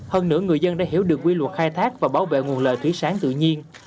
hơn nữa người dân đã hiểu được quy luật khai thác và bảo vệ nguồn lợi thủy sáng tự nhiên